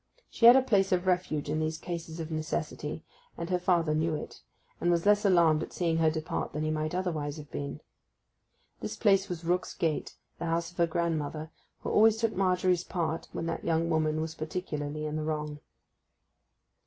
She had a place of refuge in these cases of necessity, and her father knew it, and was less alarmed at seeing her depart than he might otherwise have been. This place was Rook's Gate, the house of her grandmother, who always took Margery's part when that young woman was particularly in the wrong.